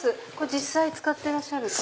実際使ってらっしゃる紙。